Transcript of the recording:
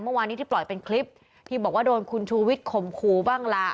เมื่อวานนี้ที่ปล่อยเป็นคลิปที่บอกว่าโดนคุณชูวิทย์ข่มขู่บ้างล่ะ